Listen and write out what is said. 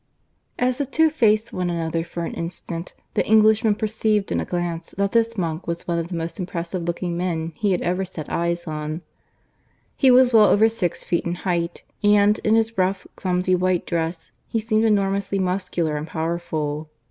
(IV) As the two faced one another for an instant, the Englishman perceived in a glance that this monk was one of the most impressive looking men he had ever set eyes on. He was well over six feet in height, and, in his rough, clumsy white dress, he seemed enormously muscular and powerful.